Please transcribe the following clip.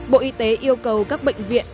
bộ y tế yêu cầu các bệnh viện